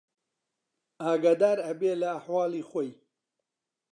ئاگادار ئەبێ لە ئەحواڵی خۆی